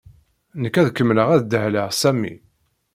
Nekk ad kemmleɣ ad dehleɣ Sami.